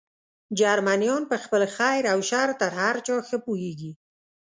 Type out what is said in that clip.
جرمنیان په خپل خیر او شر تر هر چا ښه پوهېږي.